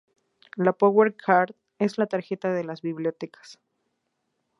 La "Power Card" es la tarjeta de los bibliotecas.